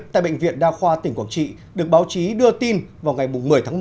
tại bệnh viện đa khoa tỉnh quảng trị được báo chí đưa tin vào ngày một mươi tháng một mươi